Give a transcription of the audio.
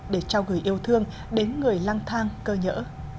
để trao gửi yêu thương đến người lang thang cơ nhỡ